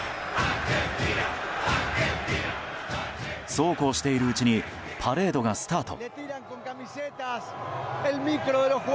そうこうしているうちにパレードがスタート。